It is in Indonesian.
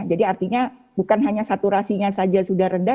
jadi artinya bukan hanya saturasinya saja sudah rendah